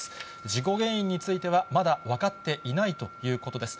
事故原因についてはまだ分かっていないということです。